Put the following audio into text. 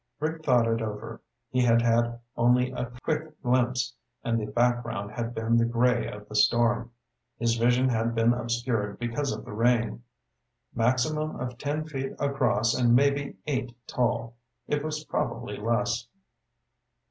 Rick thought it over. He had had only a quick glimpse, and the background had been the gray of the storm. His vision had been obscured because of the rain. "Maximum of ten feet across and maybe eight tall. It was probably less."